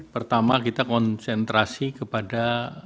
pertama kita konsentrasi kepada